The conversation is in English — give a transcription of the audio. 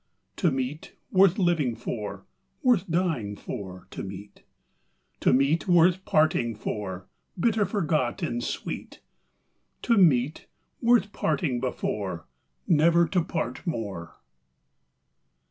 To meet, worth living for ; Worth dying for, to meet; To meet, worth parting for, Bitter forgot in sweet: To meet, worth parting before Never to part more.